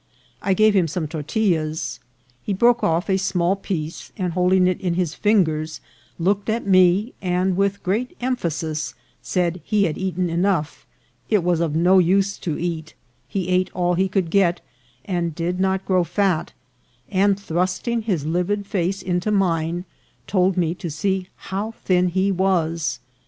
I gave him some tortillas. He broke off a small piece, and holding it in his fingers, looked at me, and with great emphasis said he had eaten enough ; it was of no use to eat ; he ate all he could get, and did not grow fat ; and, thrusting his livid face into mine, told me to see how thin he was.